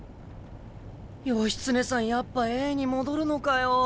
義経さんやっぱＡに戻るのかよ。